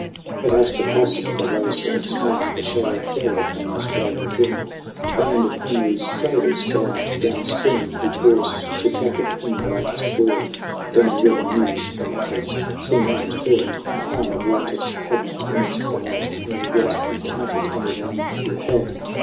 But at the crossing of the Rosebud's mouth A shadow fell upon his growing dream. A band of Henry's traders, bound down stream, Who paused to traffic in the latest word Down river news for matters seen and heard n6 SONG OF HUGH GLASS In higher waters had not met the lad, Not yet encountered anyone who had.